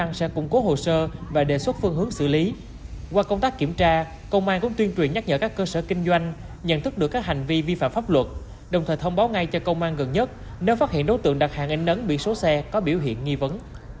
trong các kiểm tra công an cũng tuyên truyền nhắc nhở các cơ sở kinh doanh nhận thức được các hành vi vi phạm pháp luật đồng thời thông báo ngay cho công an gần nhất nếu phát hiện đối tượng đặt hàng ảnh nấn bị xố xe có biểu hiện nghi vấn